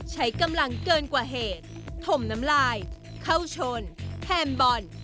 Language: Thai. ใช้กำลังเกินกว่าเหตุถมน้ำลายเข้าชนแถมบอล